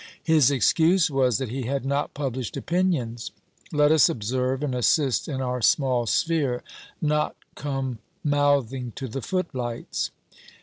His excuse was, that he had not published opinions. Let us observe, and assist in our small sphere; not come mouthing to the footlights!